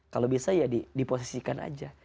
kalau bisa ya diposisikan aja